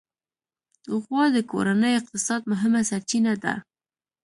غوا د کورني اقتصاد مهمه سرچینه ده.